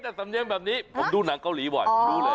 แต่สำเนียมแบบนี้ผมดูหนังเกาหลีบ่อย